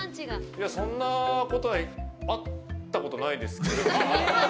そんなことはあったことないですけどね。